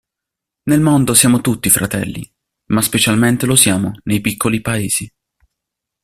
Nel mondo siamo tutti fratelli, ma specialmente lo siamo nei piccoli paesi.